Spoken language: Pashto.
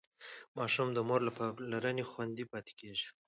ماشوم د مور له پاملرنې خوندي پاتې کېږي.